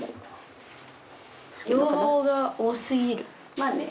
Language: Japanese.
まあね。